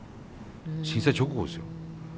震災直後ですよ。